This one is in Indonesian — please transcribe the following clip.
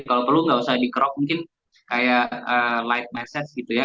kalau perlu nggak usah dikerok mungkin kayak light message gitu ya